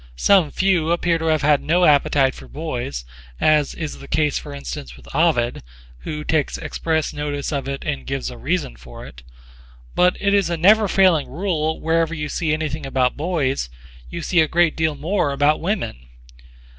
Some few appear to have had no appetite for boys, as is the case for instance with Ovid, who takes express notice of it and gives a reason for it. But it is a neverfailing rule wherever you see any thing about boys, you see a great deal more about women.